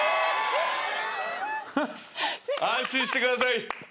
安心してください。